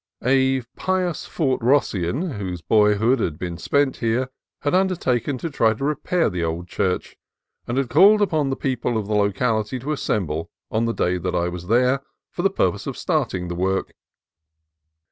A pious Fort Rossian, whose boyhood had been spent here, had undertaken to try to repair the old church, and had called upon the people of the local ity to assemble, on the day that I was there, for the purpose of starting the work.